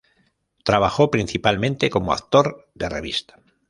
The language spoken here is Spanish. Trabajó principalmente como actor de revista.